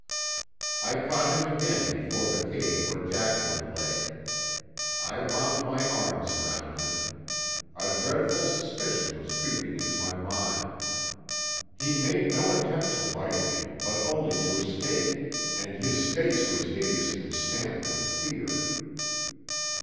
I caught him again before the cave where Jacqueline lay. I wound my arms around him. A dreadful suspicion was creeping into my mind. He made no attempt to fight me, but only to escape, and his face was hideously stamped with fear.